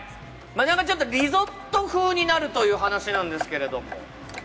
リゾット風になるという話なんですけれども。